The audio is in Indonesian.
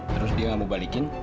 terus dia mau balik